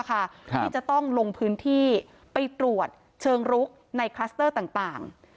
ที่จะต้องลงพื้นที่ไปตรวจเชิงรุกในคลัสเตอร์ต่าง